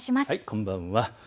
こんばんは。